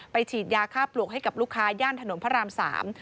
ฉีดยาฆ่าปลวกให้กับลูกค้าย่านถนนพระรามสาม